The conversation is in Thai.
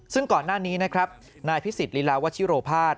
ซึ่งก่อนหน้านี้นะครับนายพิสิทธิลีลาวัชิโรภาส